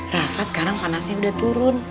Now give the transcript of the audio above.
rafa sekarang panasnya udah turun